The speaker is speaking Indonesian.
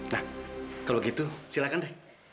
nah kalau gitu silakan deh